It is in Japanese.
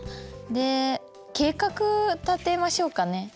で計画立てましょうかね。